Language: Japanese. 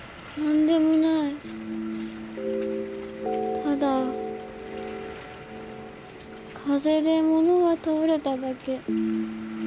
ただ風で物が倒れただけ。